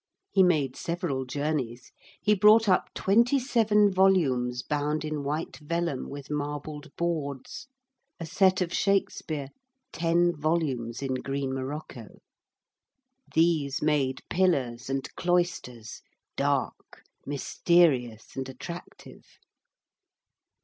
He made several journeys. He brought up twenty seven volumes bound in white vellum with marbled boards, a set of Shakespeare, ten volumes in green morocco. These made pillars and cloisters, dark, mysterious, and attractive.